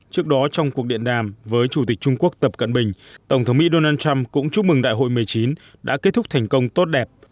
trước đó trong cuộc điện đàm với chủ tịch trung quốc tập cận bình tổng thống mỹ donald trump cũng chúc mừng đại hội một mươi chín đã kết thúc thành công tốt đẹp